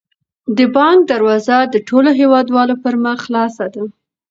د بانک دروازه د ټولو هیوادوالو پر مخ خلاصه ده.